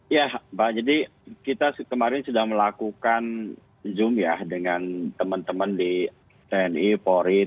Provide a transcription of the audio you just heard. iya pak jadi kita kemarin sudah melakukan zoom ya dengan teman teman di cni polri termasuk juga tenaga kesehatan dan seluruh kabupaten kota